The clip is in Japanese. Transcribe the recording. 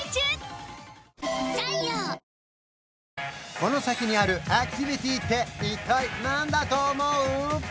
この先にあるアクティビティって一体何だと思う？